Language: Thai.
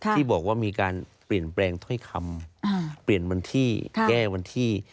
ที่บอกว่ามีการเปลี่ยนแปลงถ้อยคำเปลี่ยนวันที่แก้วันที่